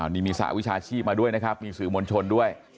นี่มีสหวิชาชีพมาด้วยนะครับมีสื่อมวลชนด้วย